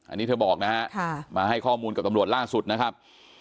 อันนี้เธอบอกนะฮะมาให้ข้อมูลกับตำรวจล่าสุดนะครับ